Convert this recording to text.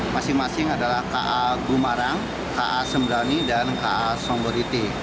masing masing adalah ka gumarang ka sembrani dan ka somboriti